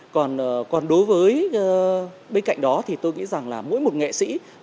còn đối với bên cạnh đó thì tôi nghĩ rằng là mỗi một nghệ sĩ